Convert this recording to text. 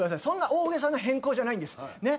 そんな大げさな変更じゃないです。